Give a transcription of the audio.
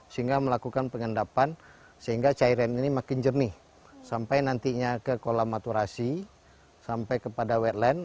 dan kita lakukan pengendapan sehingga cairan ini makin jernih sampai nantinya ke kolam maturasi sampai kepada wetland